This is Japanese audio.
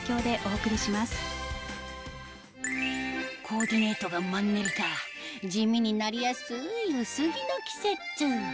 コーディネートがマンネリ化地味になりやすい薄着の季節